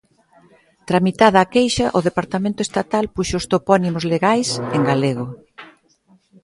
Tramitada a queixa, o departamento estatal puxo os topónimos legais, en galego.